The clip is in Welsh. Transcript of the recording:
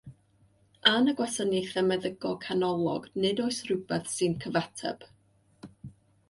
Yn y Gwasanaethau Meddygol Canolog nid oes rhywbeth sy'n cyfateb.